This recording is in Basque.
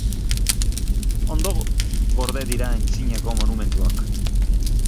Ondo gorde dira antzinako monumentuak.